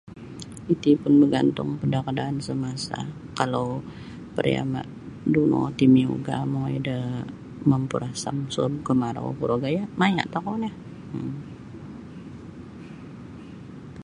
Iti pun bagantung pada kaadaan samasa kalau pariama duno ti miugah mongoi da mampurasam suob kamarau kuro gaya maya tokou nio um.